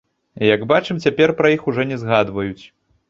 Як бачым, цяпер пра іх ужо не згадваюць.